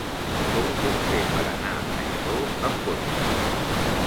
Com ho puc fer per anar a Lladó amb cotxe?